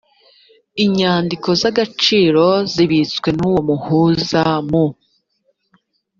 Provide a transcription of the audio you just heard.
nyandiko z agaciro zibitswe n uwo muhuza mu